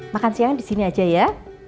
makan siang di sini aja ya